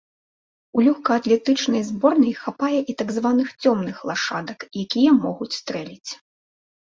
У лёгкаатлетычнай зборнай хапае і так званых цёмных лашадак, якія могуць стрэліць.